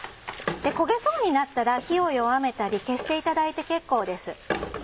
焦げそうになったら火を弱めたり消していただいて結構です。